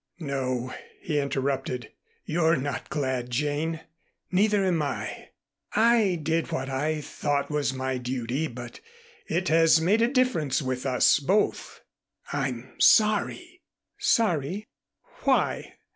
"No," he interrupted. "You're not glad, Jane. Neither am I. I did what I thought was my duty, but it has made a difference with us both. I'm sorry." "Sorry? Why?"